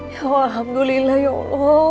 ya alhamdulillah ya allah